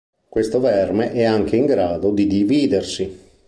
Questo verme è anche in grado di dividersi.